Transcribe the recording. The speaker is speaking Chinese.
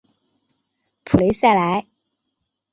普雷赛莱。